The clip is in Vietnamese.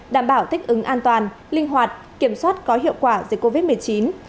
đảm bảo thích ứng an toàn linh hoạt kiểm soát có hiệu quả dịch covid một mươi chín